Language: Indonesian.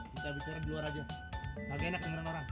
hai hai hai kita bicara di luar aja enak dengan orang